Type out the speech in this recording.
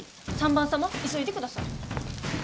３番様急いでください。